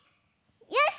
よし！